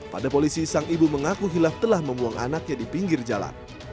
pada polisi sang ibu mengaku hilaf telah membuang anaknya di pinggir jalan